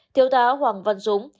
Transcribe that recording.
thiêu tá hoàng văn dũng